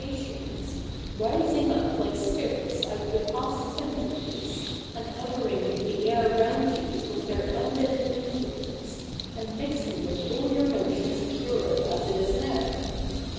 ons, rising up like spirits out of the past centuries and hovering in the air round you with their unbidden influence, and mixing with all your notions of Europe 134 THE NEW REPUBLIC [ck. hi as it is now.